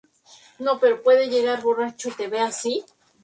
Puede trabajar durante varias horas sin descanso y en diversos tipos de terreno.